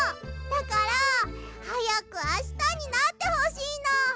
だからはやくあしたになってほしいの！